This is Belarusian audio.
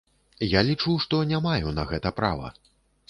Я лічу, што не маю на гэта права.